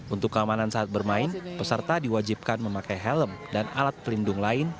untuk keamanan saat bermain peserta diwajibkan memakai helm dan alat pelindung lain